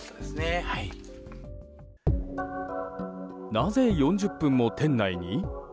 なぜ４０分も店内に？